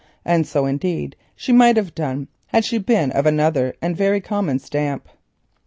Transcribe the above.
And so indeed she might have done had she been of another and more common stamp.